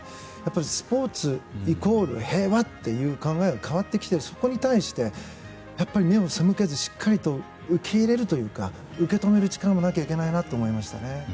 スポーツイコール平和という考えが変わってきてそこに対してやっぱり目を背けずしっかりと受け入れるというか受け止める力もなきゃいけないなと思いました。